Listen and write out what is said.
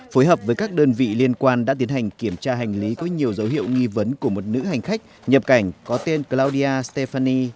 phối hợp với các đơn vị liên quan đã tiến hành kiểm tra hành lý có nhiều dấu hiệu nghi vấn của một nữ hành khách nhập cảnh có tên cloudia stefany